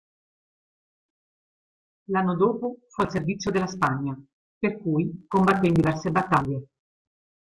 L'anno dopo fu al servizio della Spagna, per cui combatté in diverse battaglie.